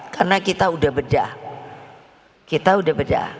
karena kita udah bedah